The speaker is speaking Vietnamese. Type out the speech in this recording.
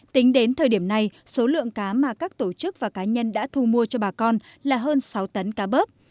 tính đến thời điểm này số lượng cá mà các tổ chức và cá nhân đã thu mua cho bà con là hơn sáu tấn cá bớp